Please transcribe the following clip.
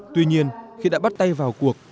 tuy nhiên khi đã bắt tay vào cuộc